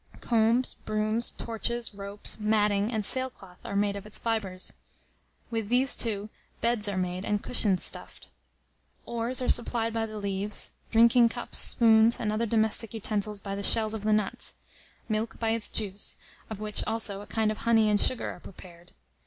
Combs, brooms, torches, ropes, matting, and sailcloth are made of its fibers. With these, too, beds are made and cushions stuffed. Oars are supplied by the leaves; drinking cups, spoons, and other domestic utensils by the shells of the nuts; milk by its juice, of which, also, a kind of honey and sugar are prepared.